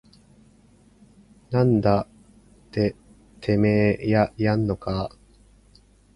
なんだててめぇややんのかぁ